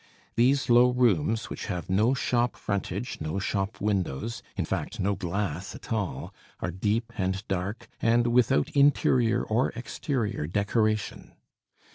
These low rooms, which have no shop frontage, no show windows, in fact no glass at all, are deep and dark and without interior or exterior decoration.